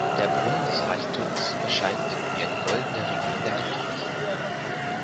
Der Brunnen des Reichtums erscheint wie ein goldener Ring in der Handfläche.